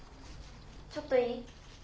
ちょっといい？